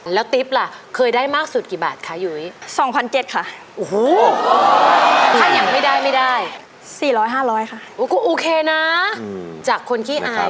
แล้วทริปล่ะเคยได้มากสุดกี่บาทคะหยุย